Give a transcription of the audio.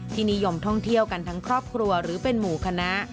นิยมท่องเที่ยวกันทั้งครอบครัวหรือเป็นหมู่คณะ